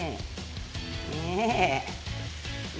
เนี่ย